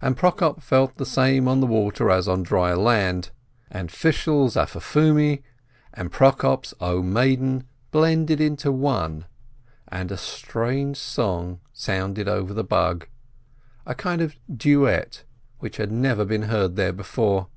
And Prokop felt the same on the water as on dry land, and Fishel's "Affofuni" and Prokop's "0 maiden" FISHEL THE TEACHEE 141 blended into one, and a strange song sounded over the Bug, a kind of duet, which had never been heard there before.